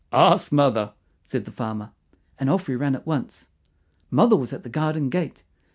"Ask mother," said the farmer, and off we ran at once. Mother was at the garden gate.